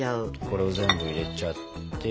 これを全部入れちゃって。